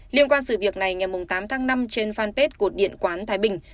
liên quan sự việc này ngày tám tháng năm trên fanpage của điện quán thái bình